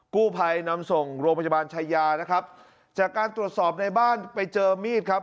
กู้ภัยนำส่งโรงพยาบาลชายานะครับจากการตรวจสอบในบ้านไปเจอมีดครับ